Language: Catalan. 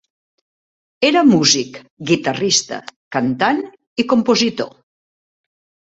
Era músic, guitarrista, cantant i compositor.